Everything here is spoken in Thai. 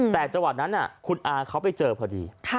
แต่จุฬินั้นน่ะคนอ่าเขาไปเจอพอดี